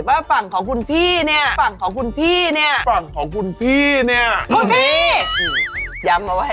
ว่าฝั่งของคุณพี่เนี่ย